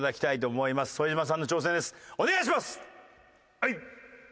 はい！